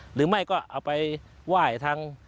หรือไม่ก็เอาไปไหว้ทาง